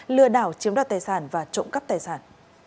lừa đảo chiếm đoạt tài sản và trộm cắp tài sản